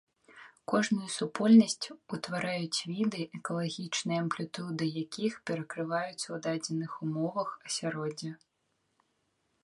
Кожную супольнасць утвараюць віды, экалагічныя амплітуды якіх перакрываюцца ў дадзеных умовах асяроддзя.